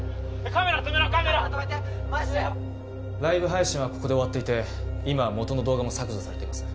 カメラカメラ止めてライブ配信はここで終わっていて今は元の動画も削除されています